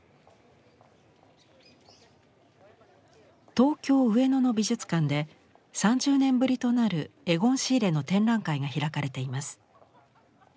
東京・上野の美術館で３０年ぶりとなるエゴン・シーレの展覧会が開かれています。